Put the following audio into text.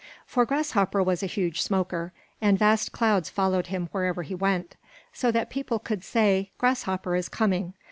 For Grasshopper was a huge smoker, and vast clouds followed him wherever he went; so that people could say, "Grasshopper is coming!"